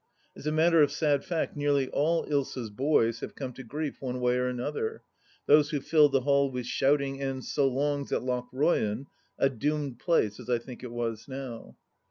As a matter of sad fact nearly all Ilsa's " boys " have come to grief one way or another : those who filled the hall with shouting and " So longs I " at Lochroyan — a doomed place, as I think it was now.